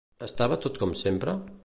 Estava tot com sempre?